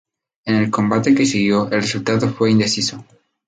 En el combate que siguió, el resultado fue indeciso.